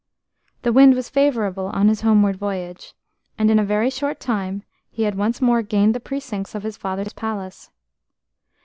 The wind was favourable on his homeward voyage, and in a very short time he had once more gained the precincts of his father's palace.